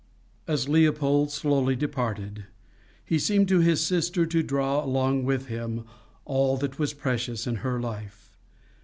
As Leopold slowly departed, he seemed to his sister to draw along with him all that was precious in her life.